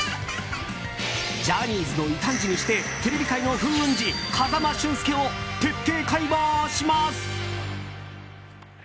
ジャニーズの異端児にしてテレビ界の風雲児風間俊介を徹底解剖します。